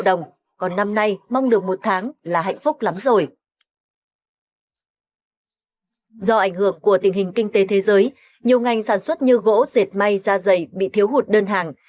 do ảnh hưởng của tình hình kinh tế thế giới nhiều ngành sản xuất như gỗ dệt may da dày bị thiếu hụt đơn hàng